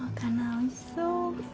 おいしそう。